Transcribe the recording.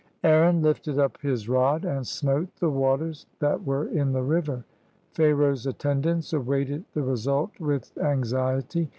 Aaron lifted up his rod and smote the waters that were in the river. Pharaoh's attendants awaited the result with anxiety.